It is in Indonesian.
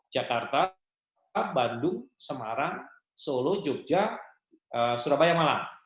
jakarta bandung semarang solo jogja surabaya malang